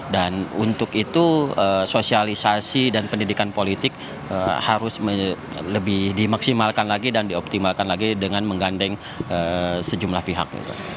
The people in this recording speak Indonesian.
dan untuk itu sosialisasi dan pendidikan politik harus lebih dimaksimalkan lagi dan dioptimalkan lagi dengan menggandeng sejumlah pihak